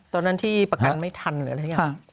ตอนนั้นที่ประกันไม่ทันหรืออะไรอย่างนี้